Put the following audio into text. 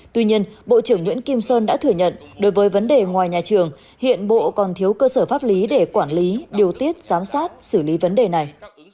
tuy nhiên bộ trưởng nguyễn kim sơn đã thừa nhận đối với vấn đề ngoài nhà trường hiện bộ còn thiếu cơ sở pháp lý để quản lý điều tiết giám sát xử lý vấn đề này